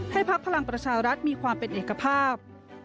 พักพลังประชารัฐมีความเป็นเอกภาพ